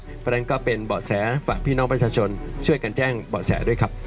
เพราะฉะนั้นก็เป็นเบาะแสฝากพี่น้องประชาชนช่วยกันแจ้งเบาะแสด้วยครับ